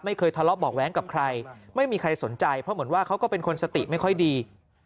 ทะเลาะเบาะแว้งกับใครไม่มีใครสนใจเพราะเหมือนว่าเขาก็เป็นคนสติไม่ค่อยดี